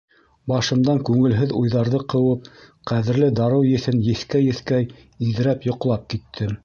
Башымдан күңелһеҙ уйҙарҙы ҡыуып, ҡәҙерле дарыу еҫен еҫкәй-еҫкәй, иҙрәп йоҡлап киттем.